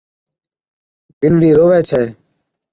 بِينڏڙِي رووي ڇَي